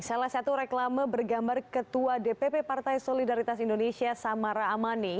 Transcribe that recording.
salah satu reklama bergambar ketua dpp partai solidaritas indonesia samara amani